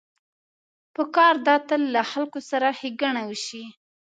پکار ده تل له خلکو سره ښېګڼه وشي.